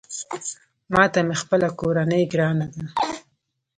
ماته مې خپله کورنۍ ګرانه ده